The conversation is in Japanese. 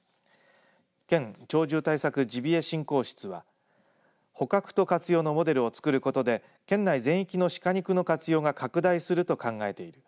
県鳥獣対策・ジビエ振興室は捕獲と活用のモデルを作ることで県内全域のシカ肉の活用が拡大すると考えている。